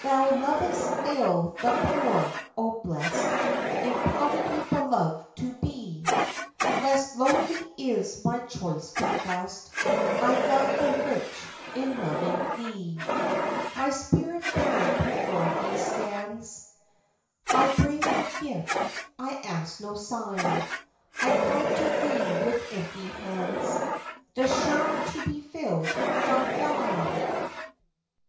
Thou lovest still the poor, — oh, blest In poverty beloved to be ! Less lowly is my choice confessed, — I love the rich in loving Thee. LOVING SERVICE. 19 7 My spirit bare before Thee stands; I bring no gift, I ask no sign ; I come to Thee with empty hands, The surer to be filled from Thine!